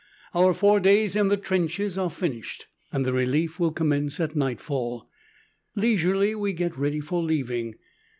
Our four days in the trenches are finished, and the relief will commence at nightfall. Leisurely we get ready for leaving.